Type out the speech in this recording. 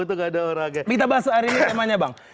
untung gak ada orangnya minta bahas hari ini temanya bang